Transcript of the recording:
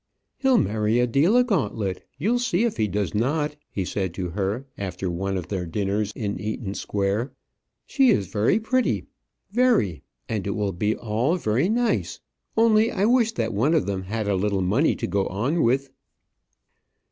"He'll marry Adela Gauntlet; you'll see if he does not," he said to her, after one of their dinners in Eaton Square. "She is very pretty, very; and it will be all very nice; only I wish that one of them had a little money to go on with."